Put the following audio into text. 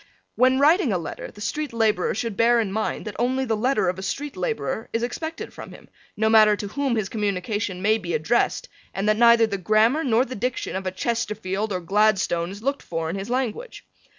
When writing a letter the street laborer should bear in mind that only the letter of a street laborer is expected from him, no matter to whom his communication may be addressed and that neither the grammar nor the diction of a Chesterfield or Gladstone is looked for in his language.